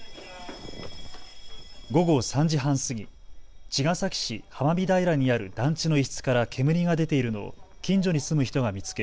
午後３時半過ぎ、茅ヶ崎市浜見平にある団地の一室から煙が出ているのを近所に住む人が見つけ